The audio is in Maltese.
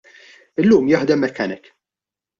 Illum jaħdem mechanic.